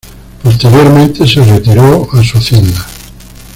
Posteriormente se retiró a su hacienda.